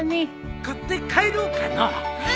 買って帰ろうかのう。